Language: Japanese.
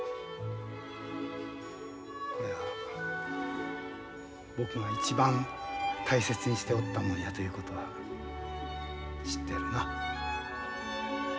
これは僕が一番大切にしておったもんやということは知ってるな？